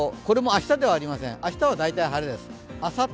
これも明日ではありません、明日は大体晴れです。